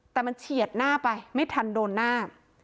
แต่มันเฉียดหน้าไปไม่ทันโดนหน้า